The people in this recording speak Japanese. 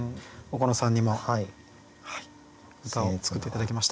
岡野さんにも歌を作って頂きました。